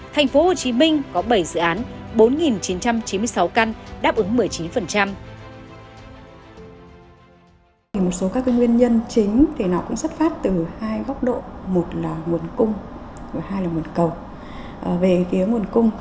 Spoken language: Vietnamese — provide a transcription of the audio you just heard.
thành phố hồ chí minh có bảy dự án bốn chín trăm chín mươi sáu căn đáp ứng một mươi chín